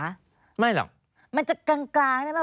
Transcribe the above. พรุ่งนี้เป็นไปได้ไหมที่มันจะไม่ซ้ายหรือขวา